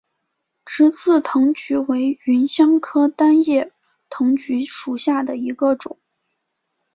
直刺藤橘为芸香科单叶藤橘属下的一个种。